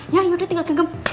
ya yaudah tinggal genggam